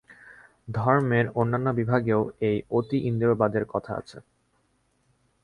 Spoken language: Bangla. ধর্মের অন্যান্য বিভাগেও এই অতীন্দ্রিয়বাদের কথা আছে।